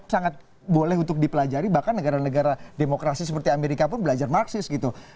sangat boleh untuk dipelajari bahkan negara negara demokrasi seperti amerika pun belajar marxis gitu